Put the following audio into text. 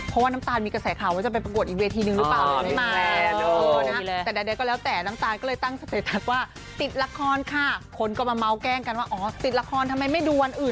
คนก็เข้าใจกันไป